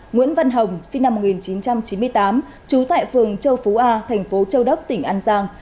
nguyễn văn hồng sinh năm một nghìn chín trăm chín mươi tám trú tại phường châu phú a thành phố châu đốc tỉnh an giang